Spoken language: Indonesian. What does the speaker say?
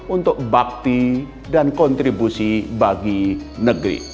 untuk bakti dan kontribusi bagi negeri